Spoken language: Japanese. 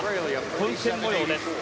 混戦模様です。